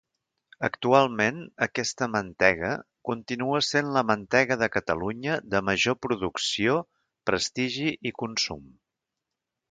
Actualment aquesta mantega continua sent la mantega de Catalunya de major producció, prestigi i consum.